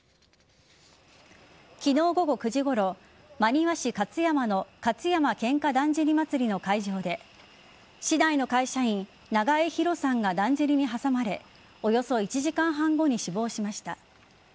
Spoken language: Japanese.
昨日午後９時頃、真庭市勝山の勝山喧嘩だんじり祭りの会場で市内の会社員・長江比呂さんがだんじりに挟まれおよそ１時間半後に死亡しました。